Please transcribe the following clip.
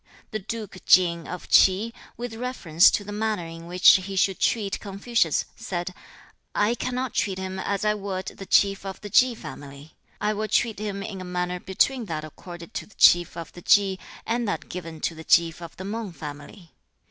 The duke Ching of Ch'i, with reference to the manner in which he should treat Confucius, said, 'I cannot treat him as I would the chief of the Chi family. I will treat him in a manner between that accorded to the chief of the Chi, and that given to the chief of the Mang family.'